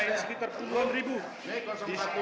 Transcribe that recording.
ini sekitar dua puluh ribu